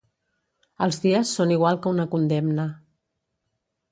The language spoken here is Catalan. Els dies són igual que una condemna.